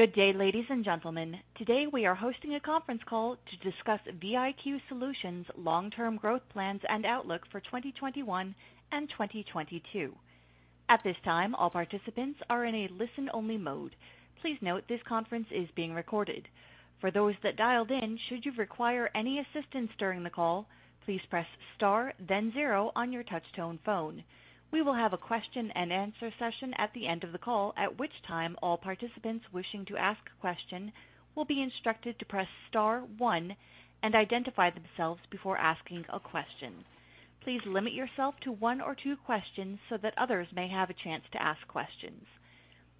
Good day, ladies and gentlemen. Today, we are hosting a conference call to discuss VIQ Solutions' long-term growth plans and outlook for 2021 and 2022. At this time, all participants are in a listen-only mode. Please note this conference is being recorded. For those that dialed in, should you require any assistance during the call, please press star zero on your touch-tone phone. We will have a question-and-answer session at the end of the call, at which time all participants wishing to ask a question will be instructed to press star one and identify themselves before asking a question. Please limit yourself to one or two questions so that others may have a chance to ask questions.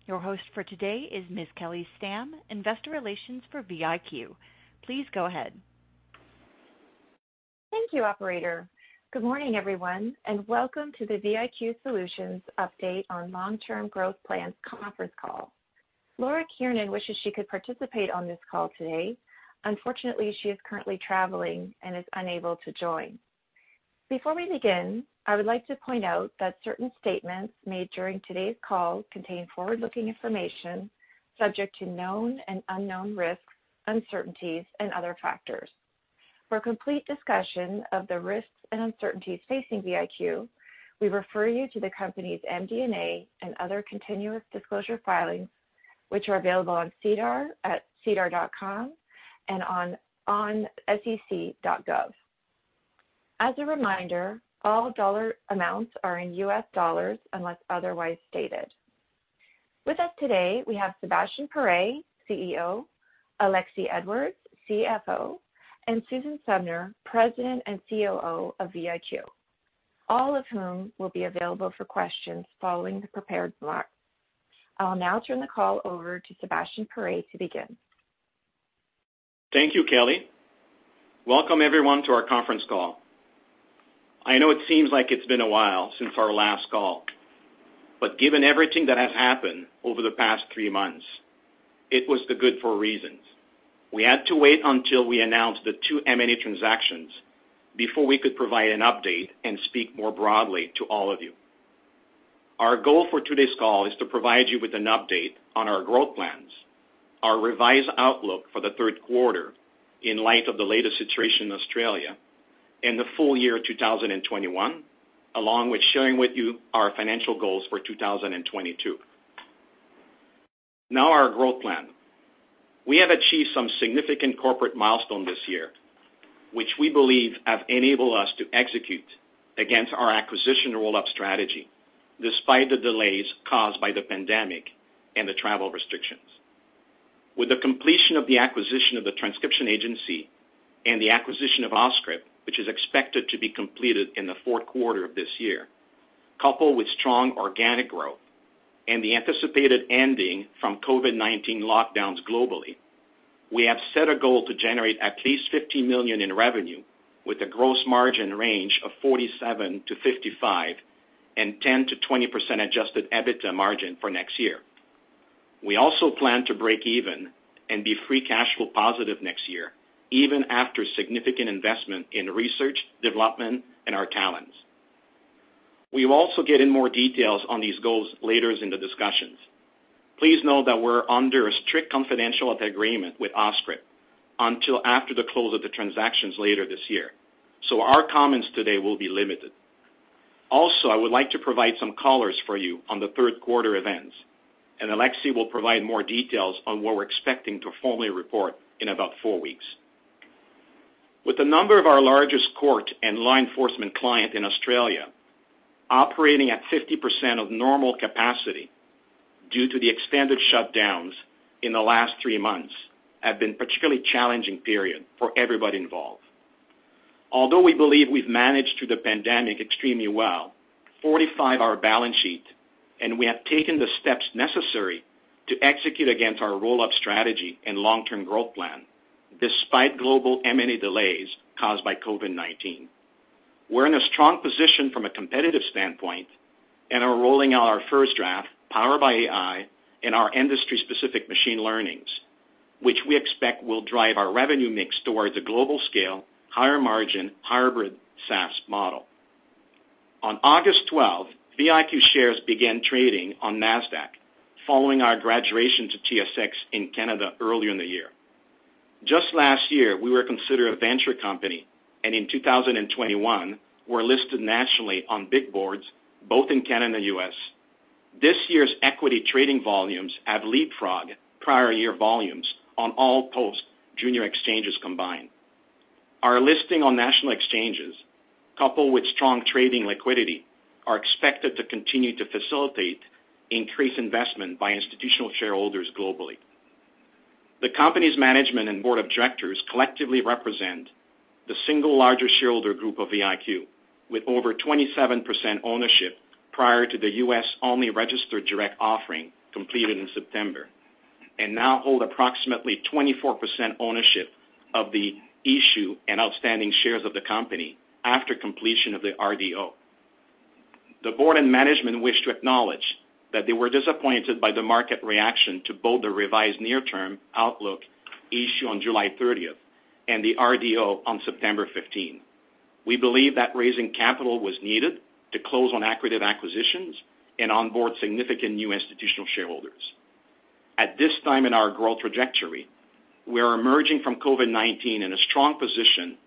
Your host for today is Ms. Kelly Stam, investor relations for VIQ. Please go ahead. Thank you, operator. Good morning, everyone, and welcome to the VIQ Solutions update on long-term growth plans conference call. Laura Kiernan wishes she could participate on this call today. Unfortunately, she is currently traveling and is unable to join. Before we begin, I would like to point out that certain statements made during today's call contain forward-looking information subject to known and unknown risks, uncertainties, and other factors. For a complete discussion of the risks and uncertainties facing VIQ, we refer you to the company's MD&A and other continuous disclosure filings, which are available on SEDAR at sedar.com and on sec.gov. As a reminder, all dollar amounts are in U.S. dollars unless otherwise stated. With us today, we have Sebastien Paré, CEO, Alexie Edwards, CFO, and Susan Sumner, President and COO of VIQ, all of whom will be available for questions following the prepared block. I'll now turn the call over to Sebastien Paré to begin. Thank you, Kelly. Welcome everyone to our conference call. I know it seems like it's been a while since our last call, but given everything that has happened over the past three months, it was the good for reasons. We had to wait until we announced the two M&A transactions before we could provide an update and speak more broadly to all of you. Our goal for today's call is to provide you with an update on our growth plans, our revised outlook for the third quarter in light of the latest situation in Australia, and the full year 2021, along with sharing with you our financial goals for 2022. Our growth plan. We have achieved some significant corporate milestone this year, which we believe have enabled us to execute against our acquisition roll-up strategy, despite the delays caused by the pandemic and the travel restrictions. With the completion of the acquisition of The Transcription Agency and the acquisition of Auscript, which is expected to be completed in the fourth quarter of this year, coupled with strong organic growth and the anticipated ending from COVID-19 lockdowns globally, we have set a goal to generate at least 50 million in revenue with a gross margin range of 47%-55% and 10%-20% adjusted EBITDA margin for next year. We also plan to break even and be free cash flow positive next year, even after significant investment in research, development, and our talents. We will also get in more details on these goals later in the discussions. Please know that we're under a strict confidential agreement with Auscript until after the close of the transactions later this year. Our comments today will be limited. Also, I would like to provide some colors for you on the third quarter events, and Alexie will provide more details on what we're expecting to formally report in about four weeks. With a number of our largest court and law enforcement clients in Australia operating at 50% of normal capacity due to the extended shutdowns in the last three months have been particularly challenging period for everybody involved. Although we believe we've managed through the pandemic extremely well, fortified our balance sheet, and we have taken the steps necessary to execute against our roll-up strategy and long-term growth plan despite global M&A delays caused by COVID-19. We're in a strong position from a competitive standpoint and are rolling out our FirstDraft, powered by AI, in our industry-specific machine learnings, which we expect will drive our revenue mix towards a global scale, higher margin, hybrid SaaS model. On August 12th, VIQ shares began trading on Nasdaq following our graduation to TSX in Canada earlier in the year. Just last year, we were considered a venture company, in 2021, we're listed nationally on big boards, both in Canada and U.S. This year's equity trading volumes have leapfrogged prior year volumes on all post junior exchanges combined. Our listing on national exchanges, coupled with strong trading liquidity, are expected to continue to facilitate increased investment by institutional shareholders globally. The company's management and board of directors collectively represent the single largest shareholder group of VIQ with over 27% ownership prior to the U.S. only registered direct offering completed in September, and now hold approximately 24% ownership of the issue and outstanding shares of the company after completion of the RDO. The board and management wish to acknowledge that they were disappointed by the market reaction to both the revised near-term outlook issued on July 30 and the RDO on September 15. We believe that raising capital was needed to close on accretive acquisitions and onboard significant new institutional shareholders. At this time in our growth trajectory, we are emerging from COVID-19 in a strong position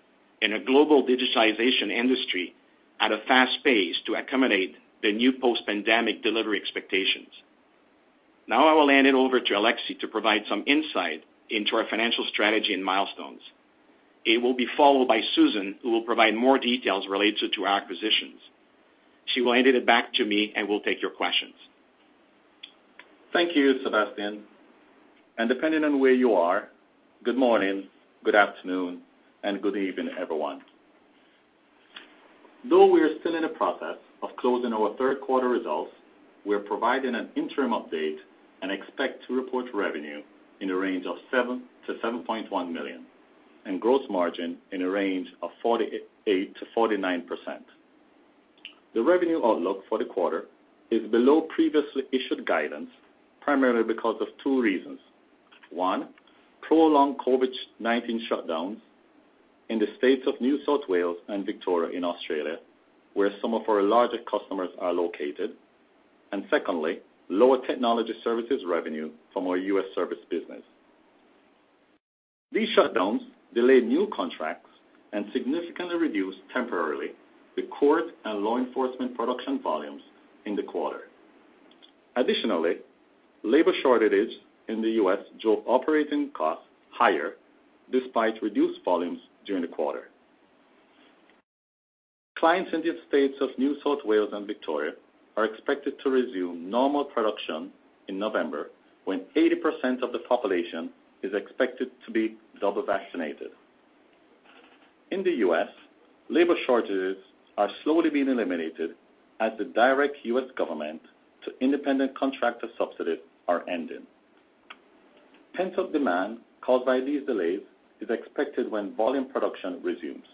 in a global digitization industry at a fast pace to accommodate the new post-pandemic delivery expectations. Now I will hand it over to Alexie to provide some insight into our financial strategy and milestones. He will be followed by Susan, who will provide more details related to our acquisitions. She will hand it back to me, and we'll take your questions. Thank you, Sebastien. Depending on where you are, good morning, good afternoon, and good evening, everyone. Though we are still in the process of closing our third quarter results, we are providing an interim update and expect to report revenue in the range of 7 million-7.1 million, and gross margin in the range of 48%-49%. The revenue outlook for the quarter is below previously issued guidance primarily because of two reasons. One, prolonged COVID-19 shutdowns in the states of New South Wales and Victoria in Australia, where some of our larger customers are located. Secondly, lower technology services revenue from our U.S. service business. These shutdowns delayed new contracts and significantly reduced temporarily the court and law enforcement production volumes in the quarter. Additionally, labor shortages in the U.S. drove operating costs higher despite reduced volumes during the quarter. Clients in the states of New South Wales and Victoria are expected to resume normal production in November, when 80% of the population is expected to be double vaccinated. In the U.S., labor shortages are slowly being eliminated as the direct U.S. government to independent contractor subsidies are ending. Pent-up demand caused by these delays is expected when volume production resumes.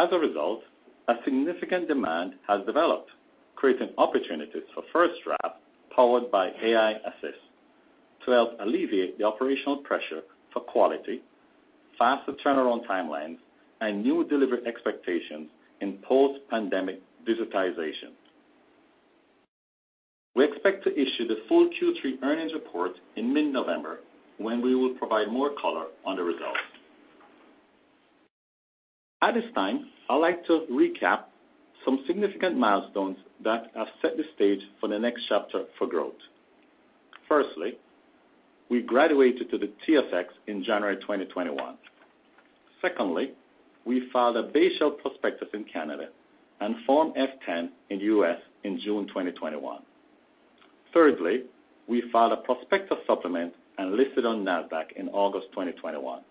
A significant demand has developed, creating opportunities for FirstDraft, powered by aiAssist, to help alleviate the operational pressure for quality, faster turnaround timelines, and new delivery expectations in post-pandemic digitization. We expect to issue the full Q3 earnings report in mid-November, when we will provide more color on the results. At this time, I'd like to recap some significant milestones that have set the stage for the next chapter for growth. Firstly, we graduated to the TSX in January 2021. Secondly, we filed a base shelf prospectus in Canada and Form F-10 in U.S. in June 2021. Thirdly, we filed a prospectus supplement and listed on Nasdaq in August 2021.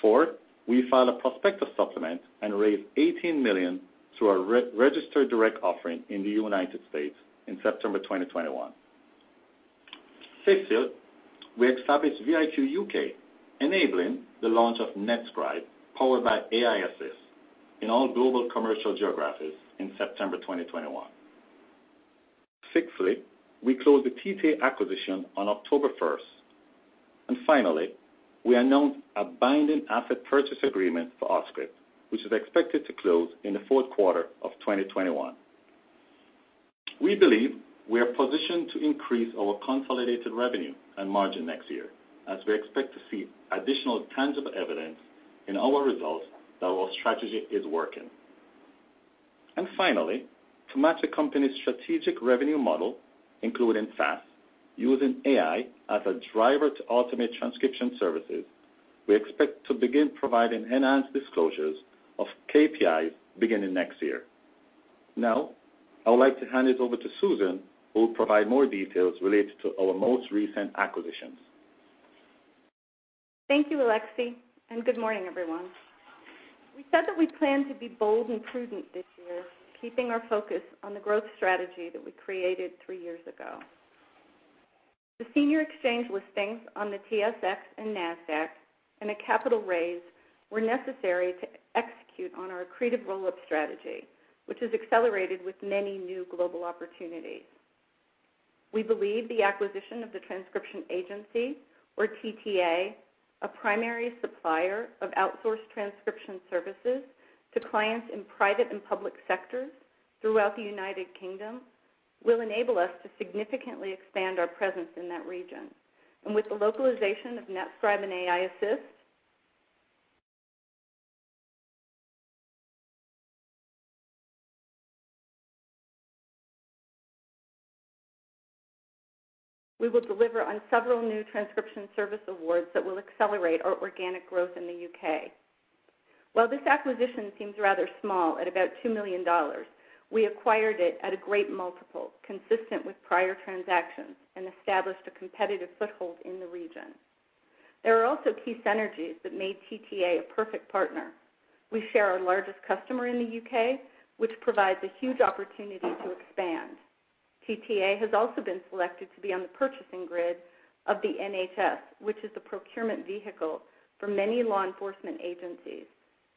Fourth, we filed a prospectus supplement and raised $18 million through our re-registered direct offering in the United States in September 2021. Fifth, we established VIQ UK, enabling the launch of NetScribe, powered by aiAssist, in all global commercial geographies in September 2021. Sixthly, we closed the TTA acquisition on October first. Finally, we announced a binding asset purchase agreement for Auscript, which is expected to close in the fourth quarter of 2021. We believe we are positioned to increase our consolidated revenue and margin next year, as we expect to see additional tangible evidence in our results that our strategy is working. Finally, to match the company's strategic revenue model, including SaaS, using AI as a driver to automate transcription services, we expect to begin providing enhanced disclosures of KPIs beginning next year. I would like to hand it over to Susan, who will provide more details related to our most recent acquisitions. Thank you, Alexie, and good morning, everyone. We said that we planned to be bold and prudent this year, keeping our focus on the growth strategy that we created three years ago. The senior exchange listings on the TSX and Nasdaq and a capital raise were necessary to execute on our accretive roll-up strategy, which has accelerated with many new global opportunities. We believe the acquisition of The Transcription Agency, or TTA, a primary supplier of outsourced transcription services to clients in private and public sectors throughout the U.K., will enable us to significantly expand our presence in that region. With the localization of NetScribe and aiAssist, we will deliver on several new transcription service awards that will accelerate our organic growth in the U.K. While this acquisition seems rather small at about $2 million, we acquired it at a great multiple consistent with prior transactions and established a competitive foothold in the region. There are also key synergies that made TTA a perfect partner. We share our largest customer in the U.K., which provides a huge opportunity to expand. TTA has also been selected to be on the purchasing grid of the NHS, which is the procurement vehicle for many law enforcement agencies,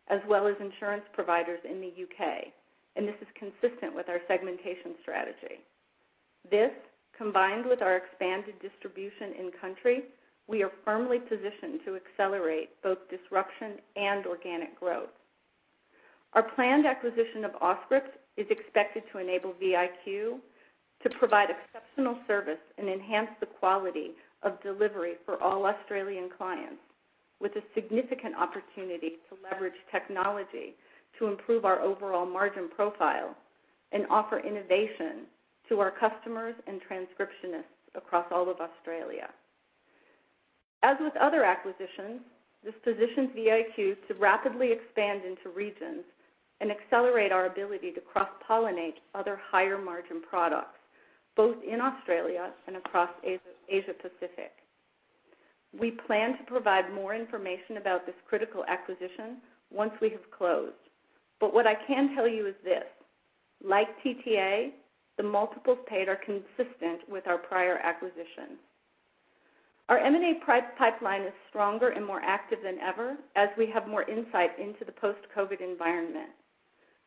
as well as insurance providers in the U.K. This is consistent with our segmentation strategy. This, combined with our expanded distribution in country, we are firmly positioned to accelerate both disruption and organic growth. Our planned acquisition of Auscript is expected to enable VIQ to provide exceptional service and enhance the quality of delivery for all Australian clients with a significant opportunity to leverage technology to improve our overall margin profile and offer innovation to our customers and transcriptionists across all of Australia. As with other acquisitions, this positions VIQ to rapidly expand into regions and accelerate our ability to cross-pollinate other higher margin products, both in Australia and across Asia Pacific. What I can tell you is this: like TTA, the multiples paid are consistent with our prior acquisitions. Our M&A pipeline is stronger and more active than ever as we have more insight into the post-COVID environment.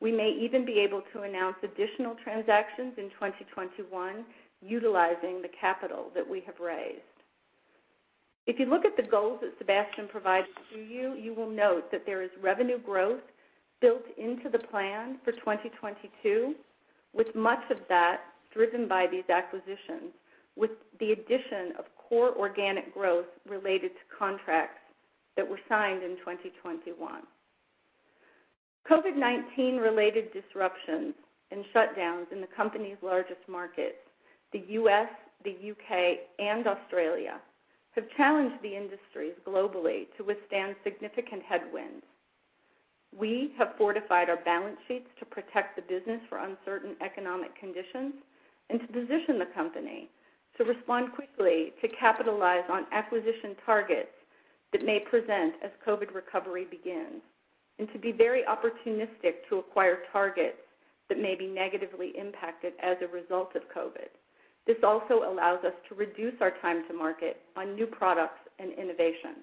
We may even be able to announce additional transactions in 2021 utilizing the capital that we have raised. If you look at the goals that Sebastien provided to you will note that there is revenue growth built into the plan for 2022, with much of that driven by these acquisitions, with the addition of core organic growth related to contracts that were signed in 2021. COVID-19 related disruptions and shutdowns in the company's largest markets, the U.S., the U.K., and Australia, have challenged the industries globally to withstand significant headwinds. We have fortified our balance sheets to protect the business for uncertain economic conditions and to position the company to respond quickly to capitalize on acquisition targets that may present as COVID recovery begins, and to be very opportunistic to acquire targets that may be negatively impacted as a result of COVID. This also allows us to reduce our time to market on new products and innovations.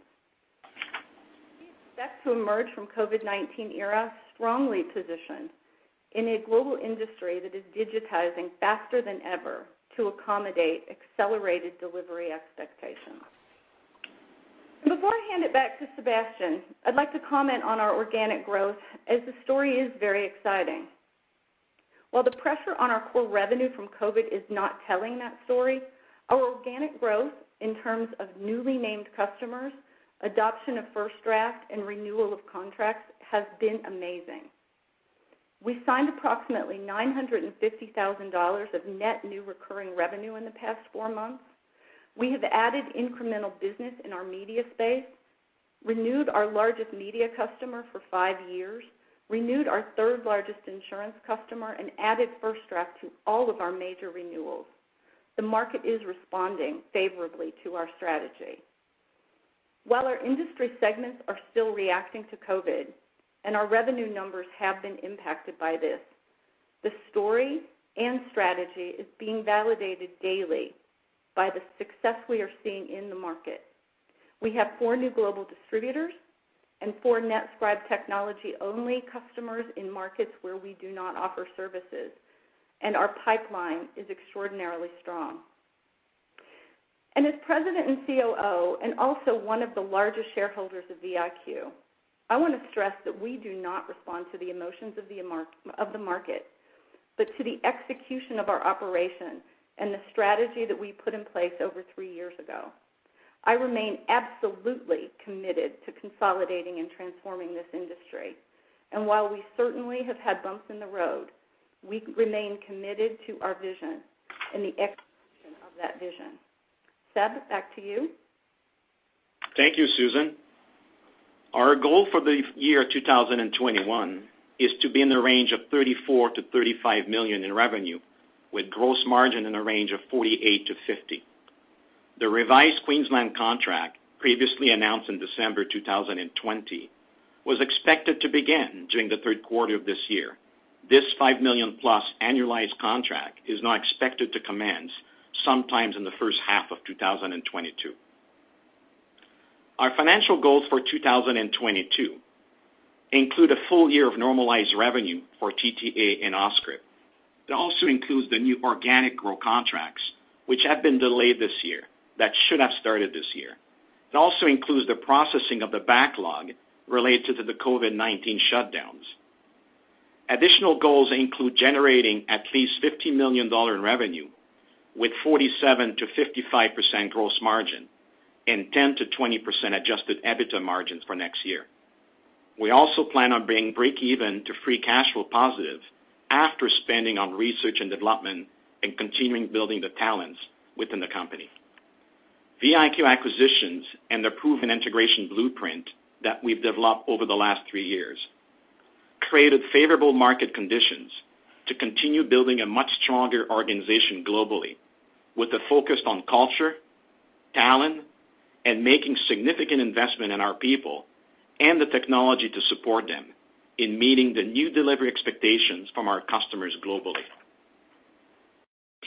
We expect to emerge from COVID-19 era strongly positioned in a global industry that is digitizing faster than ever to accommodate accelerated delivery expectations. Before I hand it back to Sebastien, I'd like to comment on our organic growth as the story is very exciting. While the pressure on our core revenue from COVID is not telling that story, our organic growth in terms of newly named customers, adoption of FirstDraft, and renewal of contracts has been amazing. We signed approximately 950,000 dollars of net new recurring revenue in the past four months. We have added incremental business in our media space, renewed our largest media customer for five years, renewed our third-largest insurance customer, and added FirstDraft to all of our major renewals. The market is responding favorably to our strategy. While our industry segments are still reacting to COVID, and our revenue numbers have been impacted by this, the story and strategy is being validated daily by the success we are seeing in the market. We have four new global distributors and four NetScribe technology-only customers in markets where we do not offer services, and our pipeline is extraordinarily strong. As President and COO, and also one of the largest shareholders of VIQ, I want to stress that we do not respond to the emotions of the market, but to the execution of our operations and the strategy that we put in place over three years ago. I remain absolutely committed to consolidating and transforming this industry. While we certainly have had bumps in the road, we remain committed to our vision and the execution of that vision. Seb, back to you. Thank you, Susan. Our goal for the year 2021 is to be in the range of $34 million-$35 million in revenue, with gross margin in the range of 48%-50%. The revised Queensland contract, previously announced in December 2020, was expected to begin during the third quarter of this year. This $5 million-plus annualized contract is now expected to commence sometimes in the first half of 2022. Our financial goals for 2022 include a full year of normalized revenue for TTA and Auscript. It also includes the new organic growth contracts, which have been delayed this year, that should have started this year. It also includes the processing of the backlog related to the COVID-19 shutdowns. Additional goals include generating at least $50 million in revenue with 47%-55% gross margin and 10%-20% Adjusted EBITDA margins for next year. We also plan on being break even to free cash flow positive after spending on research and development and continuing building the talents within the company. VIQ acquisitions and the proven integration blueprint that we've developed over the last three years created favorable market conditions to continue building a much stronger organization globally with a focus on culture, talent, and making significant investment in our people and the technology to support them in meeting the new delivery expectations from our customers globally.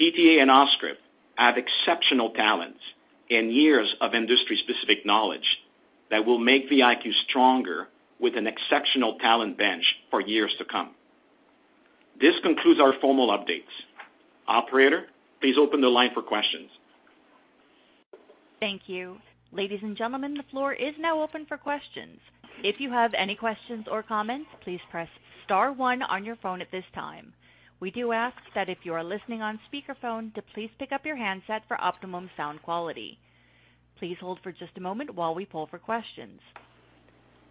TTA and Auscript have exceptional talents and years of industry-specific knowledge. That will make VIQ stronger with an exceptional talent bench for years to come. This concludes our formal updates. Operator, please open the line for questions. Thank you. Ladies and gentlemen, the floor is now open for questions. If you have any questions or comments, please press star one on your phone at this time. We do ask that if you are listening on speakerphone to please pick up your handset for optimum sound quality. Please hold for just a moment while we poll for questions.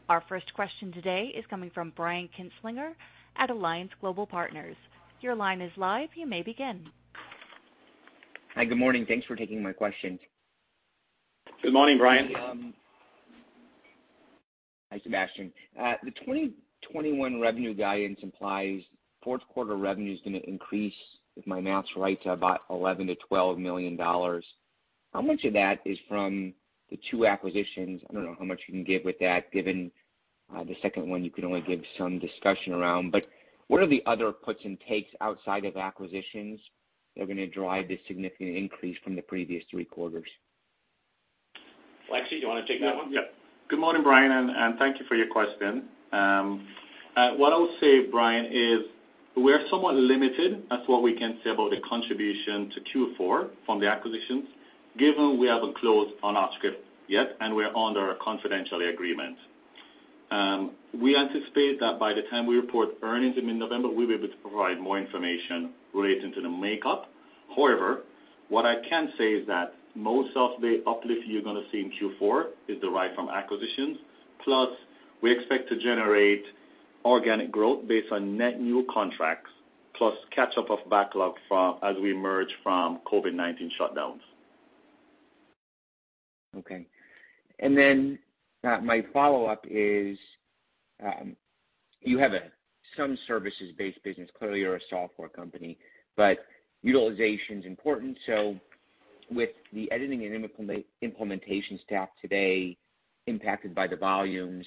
Our first question today is coming from Brian Kinstlinger at Alliance Global Partners. Your line is live, you may begin. Hi, good morning. Thanks for taking my questions. Good morning, Brian. Hi, Sebastien. The 2021 revenue guidance implies fourth quarter revenue is gonna increase, if my math's right, to about $11 million-$12 million. How much of that is from the two acquisitions? I don't know how much you can give with that, given the second one you can only give some discussion around. What are the other puts and takes outside of acquisitions that are gonna drive this significant increase from the previous three quarters? Alexie, do you wanna take that one? Good morning, Brian, and thank you for your question. What I'll say, Brian, is we're somewhat limited as what we can say about the contribution to Q4 from the acquisitions, given we haven't closed on Auscript yet, and we're under a confidential agreement. We anticipate that by the time we report earnings in mid-November, we'll be able to provide more information relating to the makeup. What I can say is that most of the uplift you're gonna see in Q4 is derived from acquisitions, plus we expect to generate organic growth based on net new contracts, plus catch-up of backlog as we emerge from COVID-19 shutdowns. Okay. My follow-up is, you have some services-based business. Clearly, you're a software company, but utilization's important. With the editing and implementation staff today impacted by the volumes,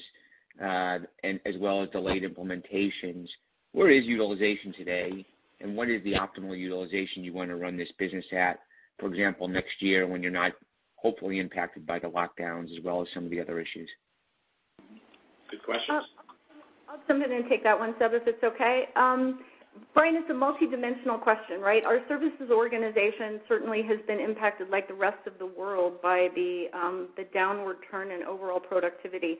and as well as delayed implementations, where is utilization today, and what is the optimal utilization you wanna run this business at, for example, next year when you're not hopefully impacted by the lockdowns as well as some of the other issues? Good questions. I'll go ahead and take that one, Seb, if it's okay. Brian, it's a multidimensional question, right? Our services organization certainly has been impacted like the rest of the world by the downward turn in overall productivity.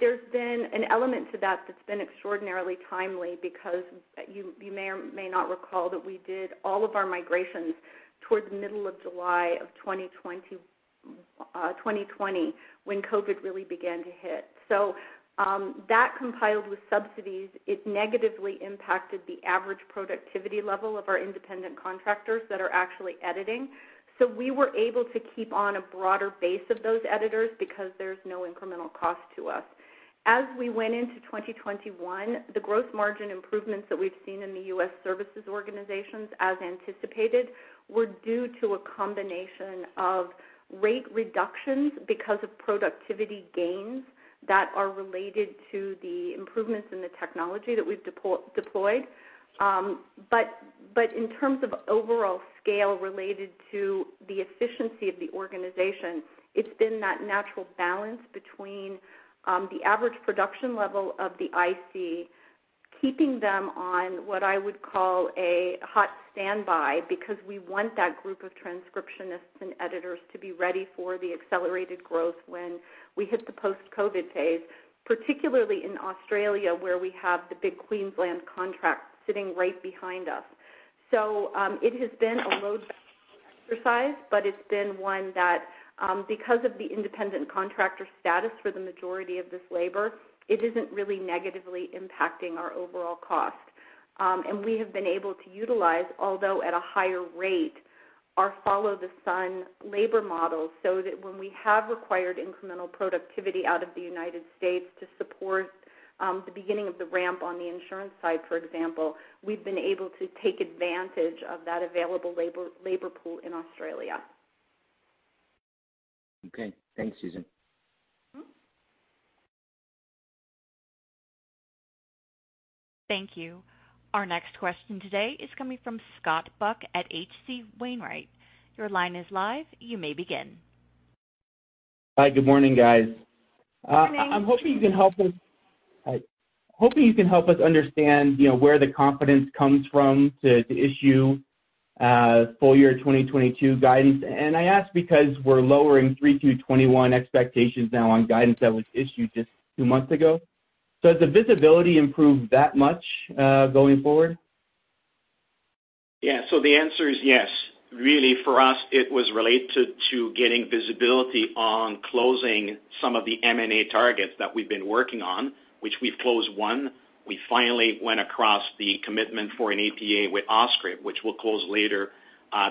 There's been an element to that that's been extraordinarily timely because you may or may not recall that we did all of our migrations towards the middle of July of 2020 when COVID really began to hit. That compiled with subsidies, it negatively impacted the average productivity level of our independent contractors that are actually editing. We were able to keep on a broader base of those editors because there's no incremental cost to us. As we went into 2021, the gross margin improvements that we've seen in the U.S. services organizations, as anticipated, were due to a combination of rate reductions because of productivity gains that are related to the improvements in the technology that we've deployed. In terms of overall scale related to the efficiency of the organization, it's been that natural balance between the average production level of the IC, keeping them on what I would call a hot standby, because we want that group of transcriptionists and editors to be ready for the accelerated growth when we hit the post-COVID phase, particularly in Australia, where we have the big Queensland contract sitting right behind us. It has been a load exercise, but it's been one that, because of the independent contractor status for the majority of this labor, it isn't really negatively impacting our overall cost. We have been able to utilize, although at a higher rate, our follow-the-sun labor model, so that when we have required incremental productivity out of the United States to support the beginning of the ramp on the insurance side, for example, we've been able to take advantage of that available labor pool in Australia. Okay. Thanks, Susan. Thank you. Our next question today is coming from Scott Buck at H.C. Wainwright. Your line is live. You may begin. Hi, good morning, guys. Good morning. Hi. Hoping you can help us understand, you know, where the confidence comes from to issue full year 2022 guidance. I ask because we're lowering 2021 expectations now on guidance that was issued just two months ago. Has the visibility improved that much going forward? Yeah. The answer is yes. Really, for us, it was related to getting visibility on closing some of the M&A targets that we've been working on, which we've closed one. We finally went across the commitment for an APA with Auscript, which will close later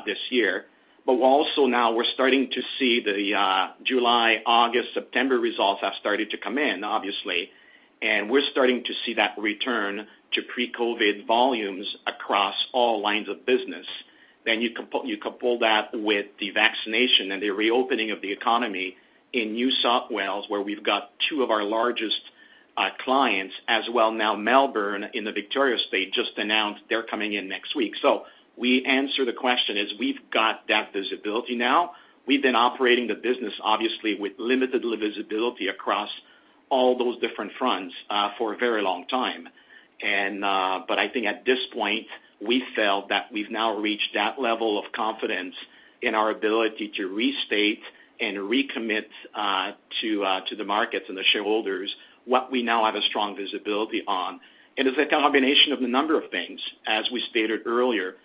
this year. Also now we're starting to see the July, August, September results have started to come in, obviously. We're starting to see that return to pre-COVID volumes across all lines of business. You couple that with the vaccination and the reopening of the economy in New South Wales, where we've got two of our largest clients as well now Melbourne in the Victoria State just announced they're coming in next week. We answer the question is we've got that visibility now. We've been operating the business, obviously, with limited visibility across all those different fronts, for a very long time. But I think at this point, we felt that we've now reached that level of confidence in our ability to restate and recommit to the markets and the shareholders what we now have a strong visibility on. It's a combination of a number of things. As we stated earlier,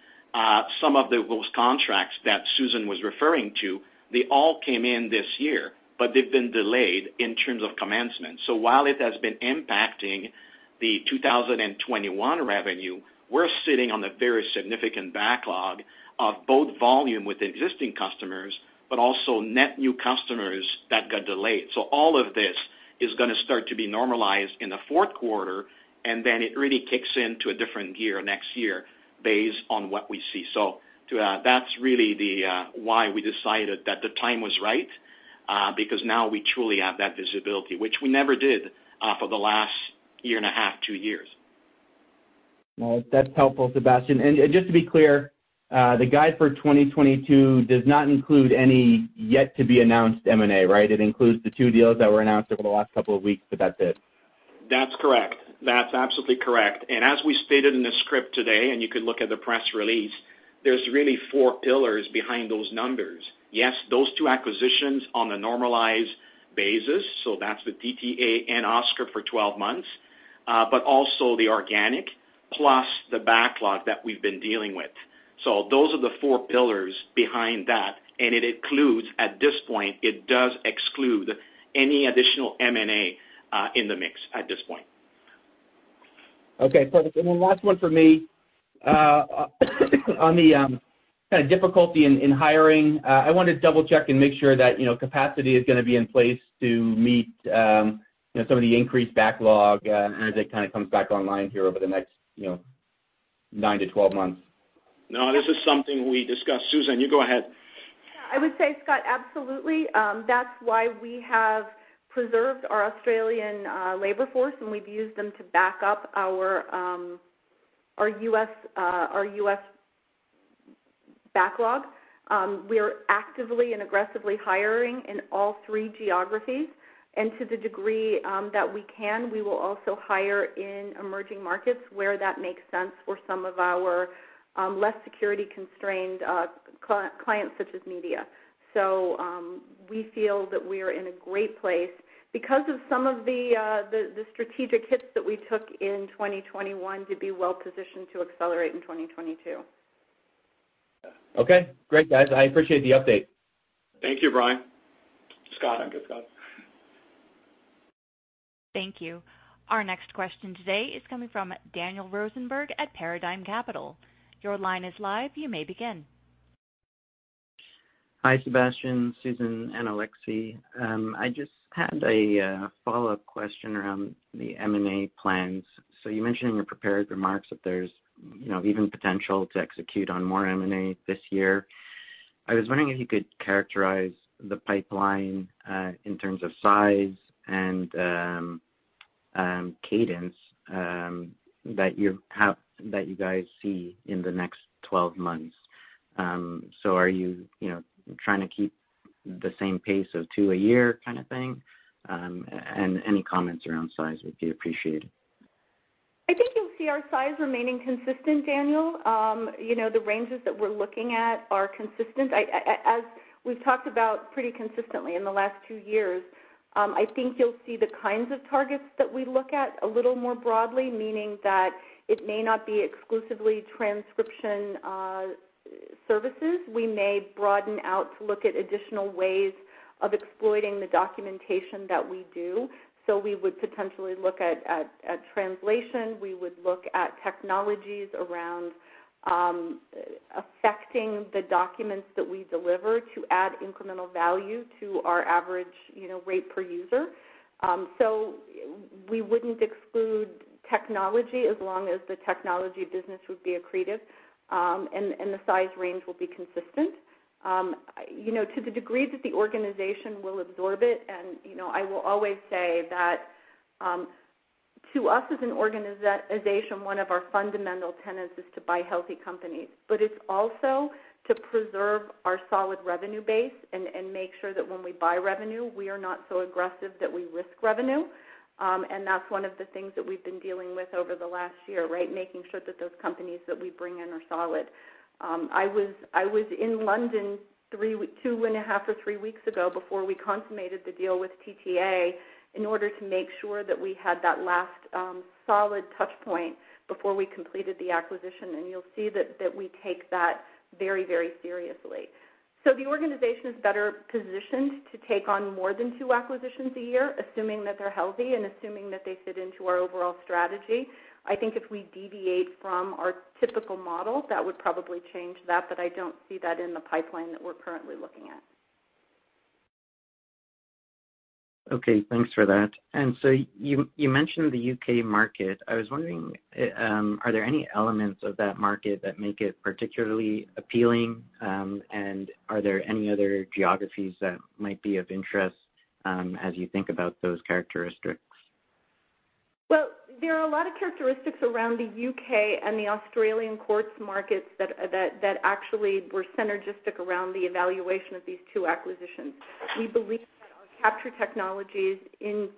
some of those contracts that Susan was referring to, they all came in this year, but they've been delayed in terms of commencement. While it has been impacting the 2021 revenue, we're sitting on a very significant backlog of both volume with existing customers, but also net new customers that got delayed. All of this is gonna start to be normalized in the fourth quarter, and then it really kicks in to a different gear next year based on what we see. That's really the why we decided that the time was right because now we truly have that visibility, which we never did for the last year and a half, two years. Well, that's helpful, Sebastien. Just to be clear, the guide for 2022 does not include any yet to be announced M&A, right? It includes the two deals that were announced over the last couple of weeks, but that's it. That's correct. That's absolutely correct. As we stated in the script today, and you can look at the press release, there's really four pillars behind those numbers. Yes, those two acquisitions on a normalized basis, so that's with TTA and Auscript for 12 months, but also the organic plus the backlog that we've been dealing with. Those are the four pillars behind that, and it includes, at this point, it does exclude any additional M&A in the mix at this point. Okay, perfect. Last one from me. On the kind of difficulty in hiring, I want to double-check and make sure that, you know, capacity is gonna be in place to meet, you know, some of the increased backlog, as it kind of comes back online here over the next, you know, nine to 12 months. No, this is something we discussed. Susan, you go ahead. Yeah, I would say, Scott, absolutely. That's why we have preserved our Australian labor force, and we've used them to back up our U.S., our U.S. backlog. We are actively and aggressively hiring in all three geographies. To the degree that we can, we will also hire in emerging markets where that makes sense for some of our less security-constrained clients such as media. We feel that we are in a great place because of some of the strategic hits that we took in 2021 to be well-positioned to accelerate in 2022. Okay. Great, guys. I appreciate the update. Thank you, Brian. Scott. I mean Scott. Thank you. Our next question today is coming from Daniel Rosenberg at Paradigm Capital. Your line is live. You may begin. Hi, Sebastien, Susan, and Alexie. I just had a follow-up question around the M&A plans. You mentioned in your prepared remarks that there's, you know, even potential to execute on more M&A this year. I was wondering if you could characterize the pipeline in terms of size and cadence that you guys see in the next 12 months. Are you know, trying to keep the same pace of two a year kind of thing? And any comments around size would be appreciated. I think you'll see our size remaining consistent, Daniel. You know, the ranges that we're looking at are consistent. As we've talked about pretty consistently in the last two years, I think you'll see the kinds of targets that we look at a little more broadly, meaning that it may not be exclusively transcription services. We may broaden out to look at additional ways of exploiting the documentation that we do. So we would potentially look at translation. We would look at technologies around affecting the documents that we deliver to add incremental value to our average, you know, rate per user. So we wouldn't exclude technology as long as the technology business would be accretive, and the size range will be consistent. You know, to the degree that the organization will absorb it, and, you know, I will always say that, to us as an organization, one of our fundamental tenets is to buy healthy companies. It's also to preserve our solid revenue base and make sure that when we buy revenue, we are not so aggressive that we risk revenue. That's one of the things that we've been dealing with over the last year, right? Making sure that those companies that we bring in are solid. I was in London two and a half or three weeks ago before we consummated the deal with TTA in order to make sure that we had that last solid touchpoint before we completed the acquisition, and you'll see that we take that very, very seriously. The organization is better positioned to take on more than two acquisitions a year, assuming that they're healthy and assuming that they fit into our overall strategy. I think if we deviate from our typical model, that would probably change that, but I don't see that in the pipeline that we're currently looking at. Okay. Thanks for that. You mentioned the U.K. market. I was wondering, are there any elements of that market that make it particularly appealing? Are there any other geographies that might be of interest as you think about those characteristics? Well, there are a lot of characteristics around the U.K. and the Australian courts markets that actually were synergistic around the evaluation of these two acquisitions. We believe that our capture technologies in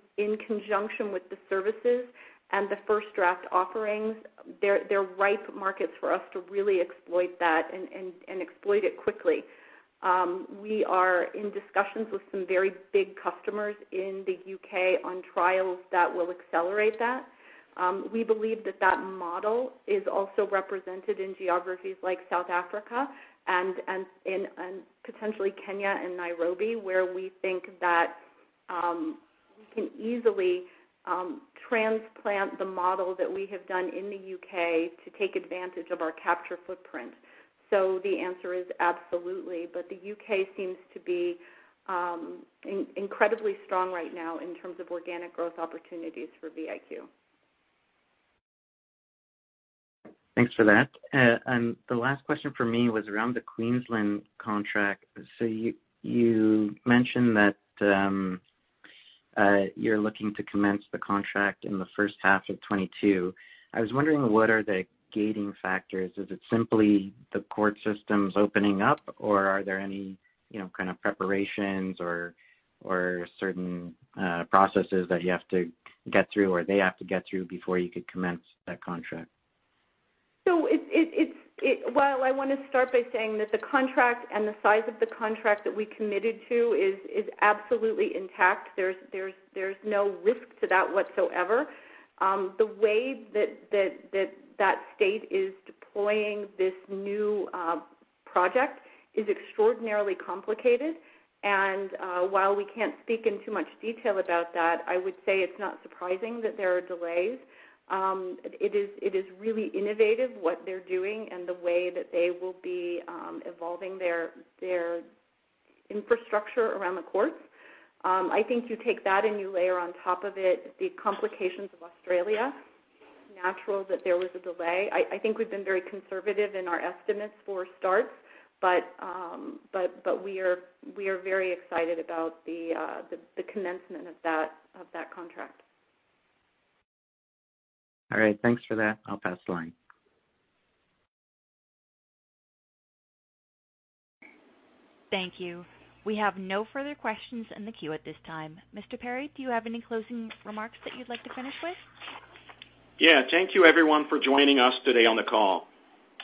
conjunction with the services and the FirstDraft offerings, they're ripe markets for us to really exploit that and exploit it quickly. We are in discussions with some very big customers in the U.K. on trials that will accelerate that. We believe that model is also represented in geographies like South Africa and in potentially Kenya and Nairobi, where we think that we can easily transplant the model that we have done in the U.K. to take advantage of our capture footprint. The answer is absolutely. The U.K. seems to be incredibly strong right now in terms of organic growth opportunities for VIQ. Thanks for that. The last question from me was around the Queensland contract. You, you mentioned that, you're looking to commence the contract in the first half of 2022. I was wondering, what are the gating factors? Is it simply the court systems opening up, or are there any, you know, kind of preparations or certain processes that you have to get through or they have to get through before you could commence that contract? Well, I wanna start by saying that the contract and the size of the contract that we committed to is absolutely intact. There's no risk to that whatsoever. The way that state is deploying this new project is extraordinarily complicated. While we can't speak in too much detail about that, I would say it's not surprising that there are delays. It is really innovative what they're doing and the way that they will be evolving their infrastructure around the courts. I think you take that and you layer on top of it the complications of Australia, natural that there was a delay. I think we've been very conservative in our estimates for starts, but we are very excited about the commencement of that contract. All right, thanks for that. I'll pass the line. Thank you. We have no further questions in the queue at this time. Mr. Paré, do you have any closing remarks that you'd like to finish with? Yeah. Thank you everyone for joining us today on the call.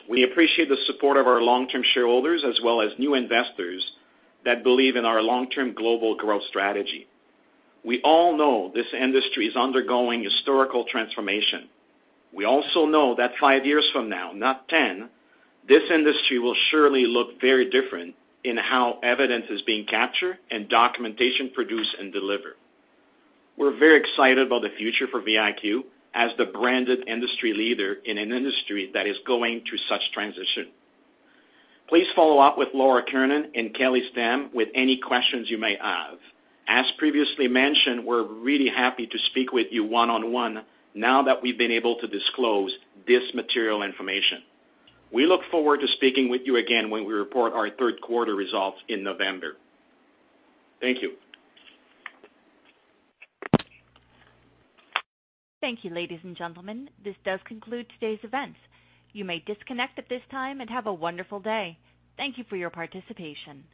We appreciate the support of our long-term shareholders as well as new investors that believe in our long-term global growth strategy. We all know this industry is undergoing historical transformation. We also know that five years from now, not 10, this industry will surely look very different in how evidence is being captured and documentation produced and delivered. We're very excited about the future for VIQ as the branded industry leader in an industry that is going through such transition. Please follow up with Laura Kiernan and Kelly Stam with any questions you may have. As previously mentioned, we're really happy to speak with you one-on-one now that we've been able to disclose this material information. We look forward to speaking with you again when we report our third quarter results in November. Thank you. Thank you, ladies and gentlemen. This does conclude today's event. You may disconnect at this time, and have a wonderful day. Thank you for your participation.